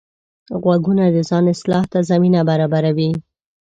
غوږونه د ځان اصلاح ته زمینه برابروي